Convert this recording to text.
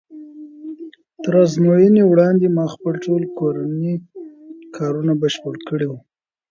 تر ازموینې وړاندې ما خپل ټول کورني کارونه بشپړ کړي وو.